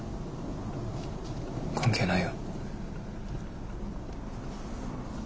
関係ないよ。